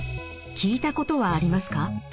聞いたことはありますか？